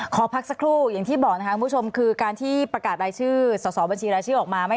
ขอพักสักครู่อย่างที่บอกนะคะคุณผู้ชมคือการที่ประกาศรายชื่อสอบบัญชีรายชื่อออกมา